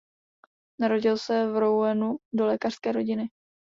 Narodil se v Rouenu do lékařské rodiny.